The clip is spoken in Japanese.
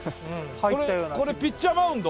これピッチャーマウンド？